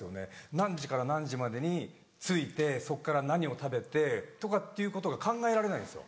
何時から何時までに着いてそこから何を食べてとかっていうことが考えられないんですよ。